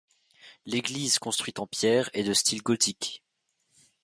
L'église construite en pierre est de style gothique.